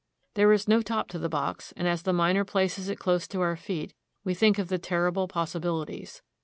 There is no top to the box, and as the miner places it close to our feet, we think of the terrible possi bilities.